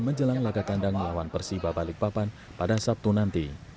menjelang lagakandang melawan persiba balikpapan pada sabtu nanti